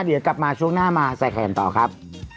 เดี๋ยวกลับมาช่วงหน้ามาใส่แขนต่อครับ